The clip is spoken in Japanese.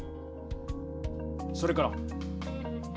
それから？